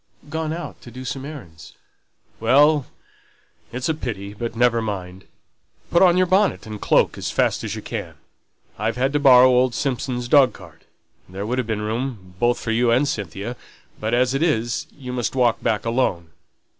"Gone out to do some errands " "Well, it's a pity but never mind. Put on your bonnet and cloak as fast as you can. I've had to borrow old Simpson's dog cart, there would have been room both for you and Cynthia; but as it is, you must walk back alone.